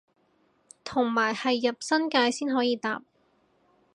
同埋係入新界先可以搭